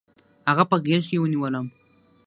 هغه په غېږ کې ونیولم.